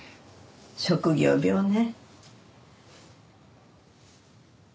職業病ね。